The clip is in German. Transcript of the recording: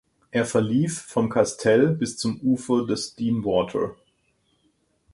Er verlief vom Kastell bis zum Ufer des Dean Water.